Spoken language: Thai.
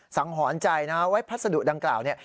หอนใจนะไว้พัสดุดังกล่าวเนี่ย